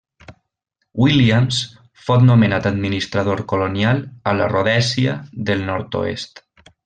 Williams fou nomenat administrador colonial a la Rhodèsia del Nord-oest.